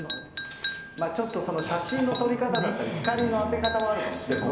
ちょっと、その写真の撮り方だったり、光の当て方はあるかもしれませんね。